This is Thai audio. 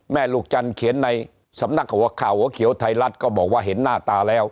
ลูกจันทร์เขียนในสำนักหัวข่าวหัวเขียวไทยรัฐก็บอกว่าเห็นหน้าตาแล้ว